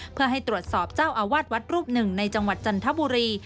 เพื่อให้ตรวจสอบเจ้าอาวาสวัดรูปหนึ่งในจังหวัดจันทบุรี